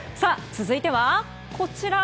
続いては、こちら。